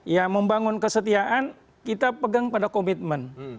ya membangun kesetiaan kita pegang pada komitmen